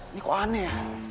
ini kok aneh ya